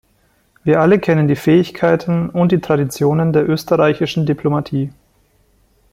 Wir alle kennen die Fähigkeiten und die Traditionen der österreichischen Diplomatie.